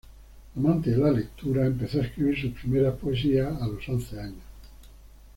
Amante de la lectura, empezó a escribir sus primeras poesías a los once años.